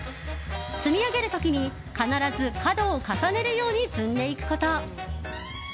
積み上げる時に必ず角を重ねるように積んでいくこと。